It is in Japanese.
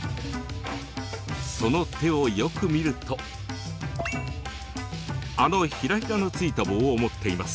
その手をよく見るとあのヒラヒラの付いた棒を持っています。